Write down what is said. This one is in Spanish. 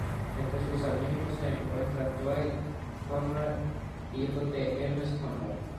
Entre sus amigos se encuentran Dwight Conrad, hijo de Hermes Conrad.